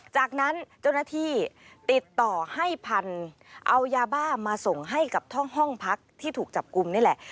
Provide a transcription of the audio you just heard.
จากนั้นเจ้าหน้าที่ติดต่อให้พันธุ์เอายาบ้ามาส่งให้กับห้องพักที่ถูกจับกลุ่มนี่แหละ